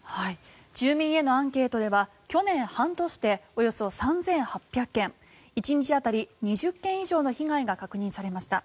住民へのアンケートでは去年半年でおよそ３８００件１日当たり２０件以上の被害が確認されました。